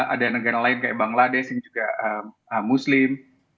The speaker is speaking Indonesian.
ada negara lain kayak bangladesh yang juga muslim